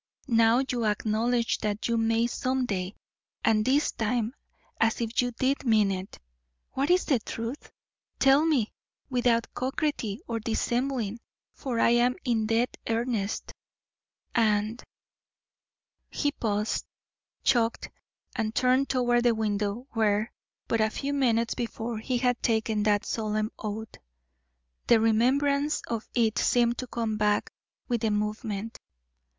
Now you acknowledge that you may some day, and this time as if you did mean it. What is the truth? Tell me, without coquetry or dissembling, for I am in dead earnest, and " He paused, choked, and turned toward the window where but a few minutes before he had taken that solemn oath. The remembrance of it seemed to come back with the movement.